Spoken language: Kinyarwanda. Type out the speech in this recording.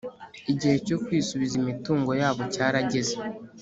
igihe cyo kwisubiza imitungo yabo cyarageze